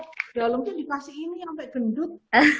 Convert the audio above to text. dalemnya dikasih ini sampe gendut